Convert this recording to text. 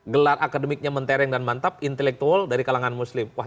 gelar akademiknya mentereng dan mantap intelektual dari kalangan muslim